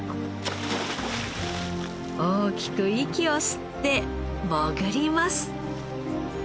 大きく息を吸って潜ります。